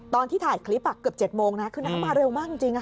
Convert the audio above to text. ตอนที่ถ่ายคลิปเกือบ๗โมงนะคือน้ำมาเร็วมากจริง